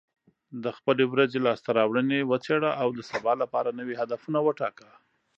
د خپلې ورځې لاسته راوړنې وڅېړه، او د سبا لپاره نوي هدفونه وټاکه.